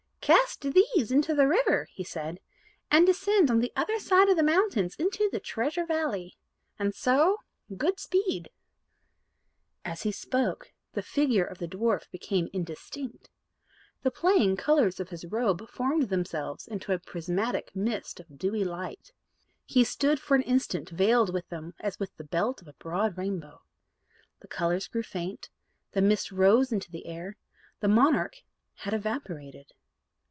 "Cast these into the river," he said, "and descend on the other side of the mountains into the Treasure Valley. And so good speed." As he spoke, the figure of the dwarf became indistinct. The playing colours of his robe formed themselves into a prismatic mist of dewy light; he stood for an instant veiled with them as with the belt of a broad rainbow. The colours grew faint, the mist rose into the air; the monarch had evaporated.